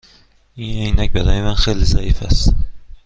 این عینک برای من خیلی ضعیف است.